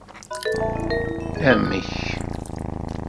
Amek?